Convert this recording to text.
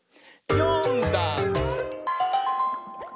「よんだんす」